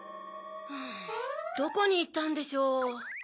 どこにいったんでしょう？